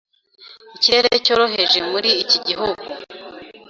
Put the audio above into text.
Ikirere cyoroheje muri iki gihugu.